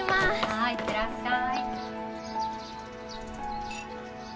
はい行ってらっしゃい。